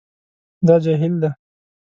دا جهیل دی